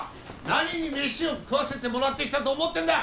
何にメシを食わせてもらってきたと思ってんだ！？